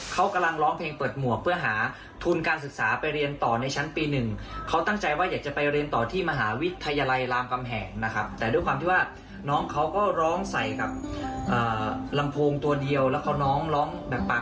เก็บของน้องเขานะครับแล้วก็ลองคิดบรรทดิกาการเล่นว่า